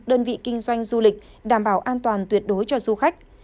đơn vị kinh doanh du lịch đảm bảo an toàn tuyệt đối cho du khách